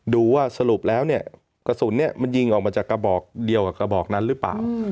ดูว่าสรุปแล้วเนี่ยกระสุนมันยิงออกมาจากกระบอกเดียวกับกระบอกนั้นหรือเปล่า